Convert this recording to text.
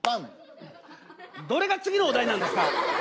どれが次のお題なんですか？